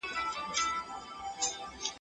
هغه به د ادبیاتو په اړه مقاله ولیکي.